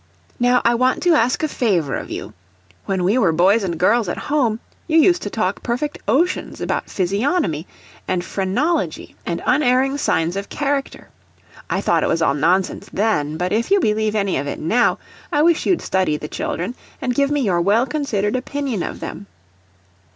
] "Now I want to ask a favor of you. When we were boys and girls at home, you used to talk perfect oceans about physiognomy, and phrenology, and unerring signs of character. I thought it was all nonsense then, but if you believe any of it NOW, I wish you'd study the children, and give me your well considered opinion of them.